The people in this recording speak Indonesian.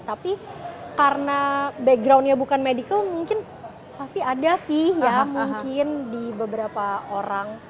tapi karena backgroundnya bukan medical mungkin pasti ada sih ya mungkin di beberapa orang